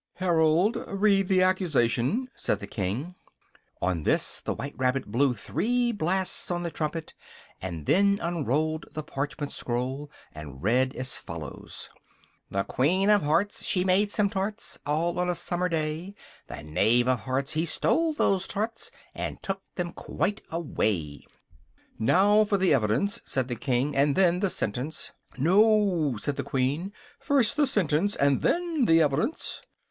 "Herald! read the accusation!" said the King. On this the white rabbit blew three blasts on the trumpet, and then unrolled the parchment scroll, and read as follows: "The Queen of Hearts she made some tarts All on a summer day: The Knave of Hearts he stole those tarts, And took them quite away!" "Now for the evidence," said the King, "and then the sentence." "No!" said the Queen, "first the sentence, and then the evidence!"